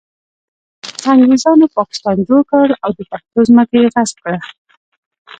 انګریزانو پاکستان جوړ کړ او د پښتنو ځمکه یې غصب کړه